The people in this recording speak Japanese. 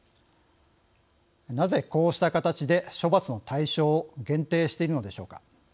なぜこうした形で処罰の対象を限定しているのでしょうか。